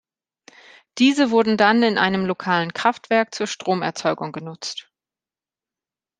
Diese wurde dann in einem lokalen Kraftwerk zur Stromerzeugung genutzt.